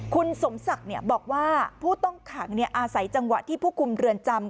คุณสมศักดิ์บอกว่าผู้ต้องขังอาศัยจังหวะที่ผู้คุมเรือนจำ